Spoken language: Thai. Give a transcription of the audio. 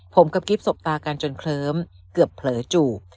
ผมกับกิ๊บสบตากันจนเคลิ้มเกือบเผลอจูบ